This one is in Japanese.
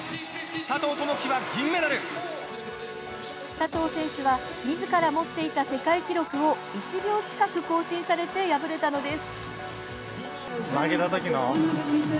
佐藤選手はみずから持っていた世界記録を１秒近く更新されて敗れたのです。